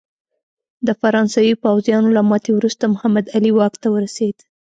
د فرانسوي پوځیانو له ماتې وروسته محمد علي واک ته ورسېد.